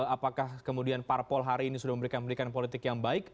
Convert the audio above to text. apakah kemudian parpol hari ini sudah memberikan pendidikan politik yang baik